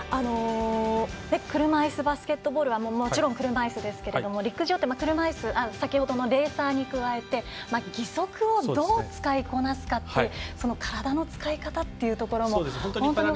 車いすバスケットボールもちろん車いすですけれども陸上は先ほどのレーサーに加えて義足をどう使いこなすかっていう体の使い方というところも大きいですよね。